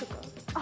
あ。